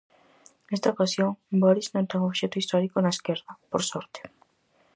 Nesta ocasión Boris non ten obxecto histórico na esquerda, por sorte.